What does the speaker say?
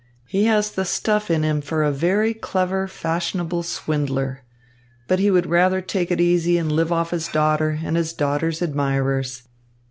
He has the stuff in him for a very clever, fashionable swindler. But he would rather take it easy and live off his daughter and his daughter's admirers.